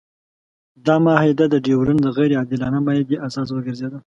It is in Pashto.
دا معاهده د ډیورنډ د غیر عادلانه معاهدې اساس وګرځېده.